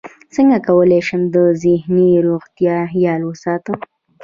څنګه کولی شم د ذهني روغتیا خیال وساتم